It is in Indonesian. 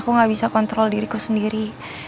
aku gak bisa kontrol diriku sendiri